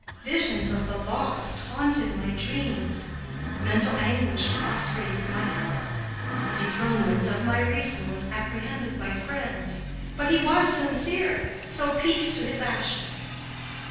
Visions of the lost haunted my dreams. Mental anguish prostrated my health. Dethronement of my reason was apprehended by friends. But he was sincere, so peace to his ashes!